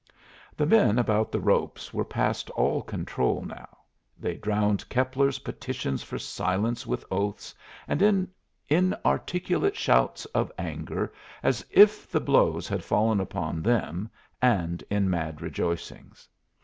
The men about the ropes were past all control now; they drowned Keppler's petitions for silence with oaths and in inarticulate shouts of anger, as if the blows had fallen upon them, and in mad rejoicings.